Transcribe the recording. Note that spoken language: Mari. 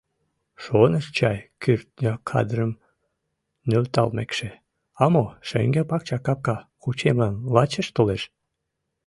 Шоныш чай кӱртньӧ кадырым нӧлталмекше: «А мо, шеҥгел пакча капка кучемлан лачеш толеш?